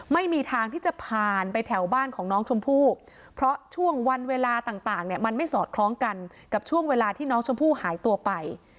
ไม่มีทางที่จะผ่านไปแถวบ้านของน้องชมพู่เพราะช่วงวันเวลาต่างเนี่ยมันไม่สอดคล้องกันกับช่วงเวลาที่น้องชมพู่หายตัวไป